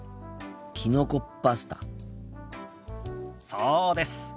そうです。